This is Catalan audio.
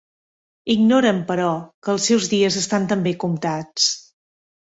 Ignoren, però, que els seus dies estan també comptats.